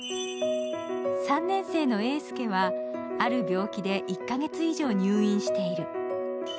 ３年生の瑛介は、ある病気で１カ月以上入院している。